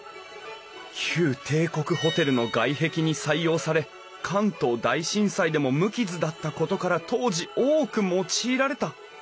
旧帝国ホテルの外壁に採用され関東大震災でも無傷だったことから当時多く用いられた。